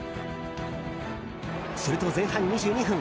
すると、前半２２分。